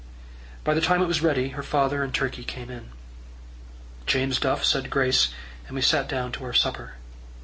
By the time it was ready, her father and Turkey came in. James Duff said grace, and we sat down to our supper.